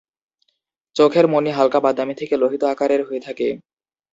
চোখের মণি হালকা বাদামী থেকে লোহিত আকারের হয়ে থাকে।